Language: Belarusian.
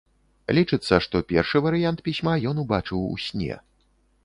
Лічыцца, што першы варыянт пісьма ён убачыў у сне.